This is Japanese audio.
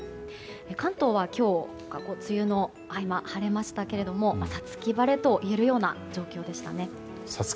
関東は今日、梅雨の合間晴れましたけれども五月晴れといえるような状況でしたね。